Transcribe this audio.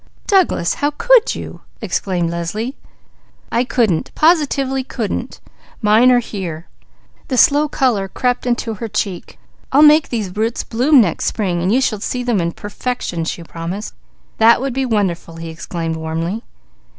"Douglas, how can you!" exclaimed Leslie. "I couldn't! Positively couldn't! Mine are here!" The slow colour crept into her cheek. "I'll make those roots bloom next spring; you shall see them in perfection," she promised. "That would be wonderful!" he exclaimed warmly.